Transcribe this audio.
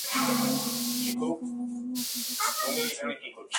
গাঙুবাই, আমি আপনাকে খুব ভালোবাসি।